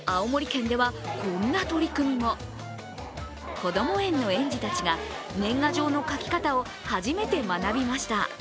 こども園の園児たちが年賀状の書き方を初めて学びました。